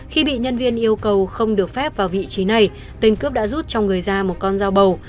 khi bị nhân viên yêu cầu không được phép vào vị trí này tên cướp đã rút trong người ra một con dao bầu